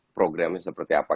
programnya seperti apa